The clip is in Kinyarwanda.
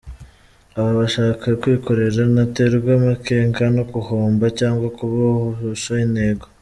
Aba ashaka kwikorera, ntaterwa amakenga no guhomba cyangwa kuba yahusha intego.